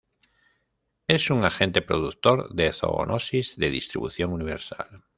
Es un agente productor de zoonosis de distribución universal.